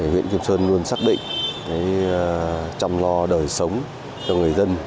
huyện kiếp sơn luôn xác định trăm lo đời sống cho người dân